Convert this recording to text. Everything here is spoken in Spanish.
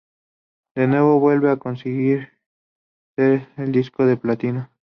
De nuevo vuelven a conseguir ser Disco de Platino.